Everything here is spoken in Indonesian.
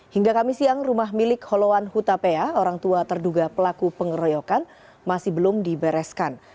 hingga kami siang rumah milik holoan hutapea orang tua terduga pelaku pengeroyokan masih belum dibereskan